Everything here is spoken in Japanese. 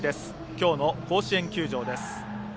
今日の甲子園球場です。